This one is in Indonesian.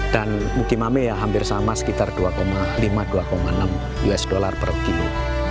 dan mukimame ya hampir sama sekitar rp dua lima dua enam usd per kilo